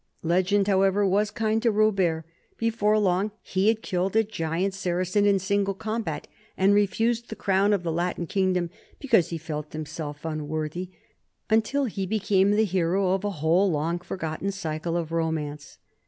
Legend, however, was kind to Robert: before long he had killed a giant Saracen in single combat and refused the crown of the Latin kingdom because he felt himself unworthy, until he became the hero of a whole long forgotten cycle of romance.